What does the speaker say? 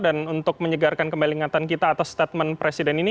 dan untuk menyegarkan kembali ingatan kita atas statement presiden ini